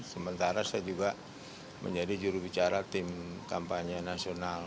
sementara saya juga menjadi juru bicara tim kampanye nasional